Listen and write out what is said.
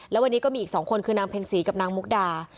แล้ววันนี้ก็มีอีก๒คนคือนางเพ็ญศรีกับนางมุกดา